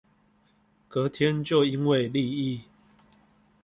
隔天就因為利益